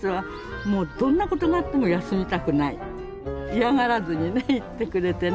嫌がらずにね行ってくれてね。